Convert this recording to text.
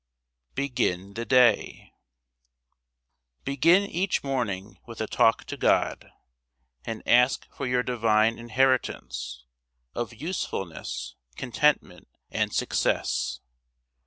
BEGIN THE DAY Begin each morning with a talk to God, And ask for your divine inheritance Of usefulness, contentment, and success.